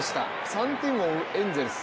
３点を追うエンゼルス。